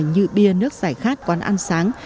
như bia nước giải khát quán ăn sáng